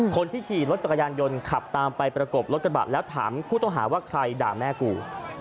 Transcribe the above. คนที่ขี่รถจักรยานยนต์ขับตามไปประกบรถกระบะแล้วถามผู้ต้องหาว่าใครด่าแม่กู